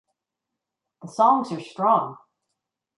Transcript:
The songs are strong.